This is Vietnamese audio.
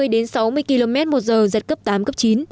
một mươi đến sáu mươi km một giờ giật cấp tám cấp chín